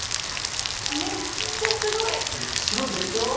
めっちゃすごい！でしょでしょ！